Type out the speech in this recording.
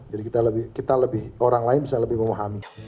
jadi kita lebih orang lain bisa lebih memahami